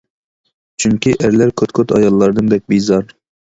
چۈنكى ئەرلەر كوت-كوت ئاياللاردىن بەك بىزار.